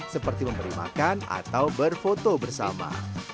seperti memberi makan atau berfoto bersama